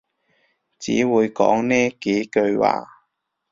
只會講呢幾句話